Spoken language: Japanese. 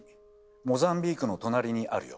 モザンビークの隣にあるよ。